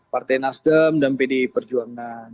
partai nasdem dan pdi perjuangan